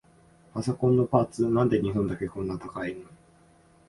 パソコンのパーツ、なんで日本だけこんな高いの？